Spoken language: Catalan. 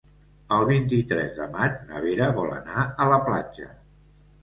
El vint-i-tres de maig na Vera vol anar a la platja.